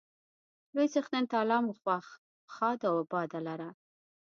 لوی څښتن تعالی مو خوښ، ښاد او اباد لره.